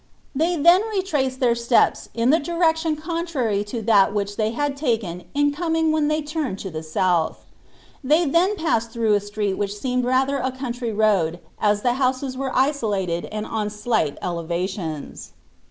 They then retraced their steps in the direction contrary to that which they had taken in coming when they turned to the south. They then passed through a street which seemed rather a country road as the houses were isolated and on slight elevations.